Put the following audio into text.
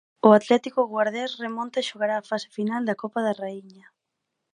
O Atlético Guardés remonta e xogará a fase final da Copa da Raíña.